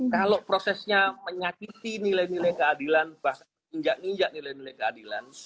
kalau prosesnya menyakiti nilai nilai keadilan bahkan menginjak injak nilai nilai keadilan